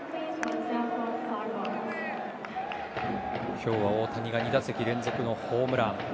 今日は大谷が２打席連続のホームラン。